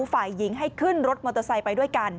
ฝ่ายหญิงให้ขึ้นรถมอเตอร์ไซค์ไปด้วยกัน